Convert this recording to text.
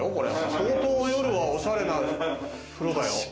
相当、夜はおしゃれな風呂だよ。